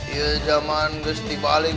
iya zaman kesti balik